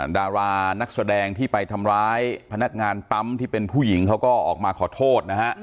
ดารานักแสดงที่ไปทำร้ายพนักงานปั๊มที่เป็นผู้หญิงเขาก็ออกมาขอโทษนะฮะ